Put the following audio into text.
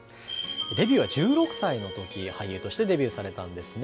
デビューは１６歳のとき、俳優としてデビューされたんですね。